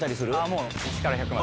もう１から１００まで。